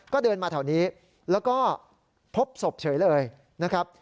ก็เดินมาแถวนี้แล้วก็พบศพเฉยเลยนะครับ